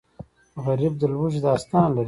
غریب د لوږې داستان لري